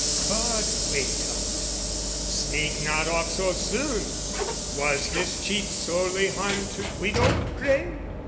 But wait a little, sneak not off so soon! Was this cheat solely harm to Guido, pray?